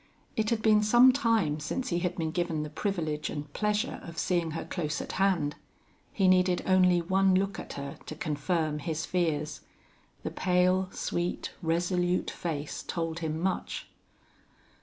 It had been some time since he had been given the privilege and pleasure of seeing her close at hand. He needed only one look at her to confirm his fears. The pale, sweet, resolute face told him much.